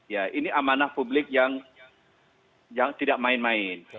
ya ini amanah publik yang tidak main main